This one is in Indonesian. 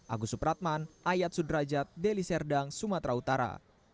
agus supratman ayat sudrajat deliserdang sumatera utara